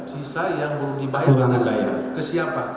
sisa yang belum dibayar ke siapa